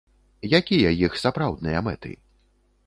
Якія іх сапраўдныя мэты?